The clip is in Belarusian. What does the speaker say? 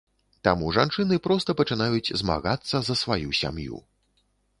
Таму жанчыны проста пачынаюць змагацца за сваю сям'ю.